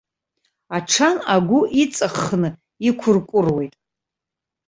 Аҽан агәы иҵаххны иқәырқәыруеит.